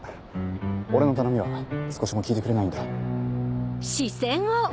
俺の頼みは少しも聞いてくれないんだ。